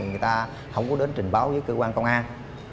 người ta không có đến trình báo với cơ quan công an